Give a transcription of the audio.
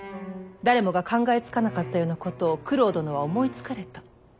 誰もが考えつかなかったようなことを九郎殿は思いつかれた。